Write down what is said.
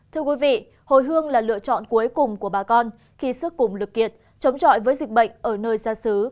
thưa quý vị hồi hương là lựa chọn cuối cùng của bà con khi sức cùng lực kiệt chống chọi với dịch bệnh ở nơi này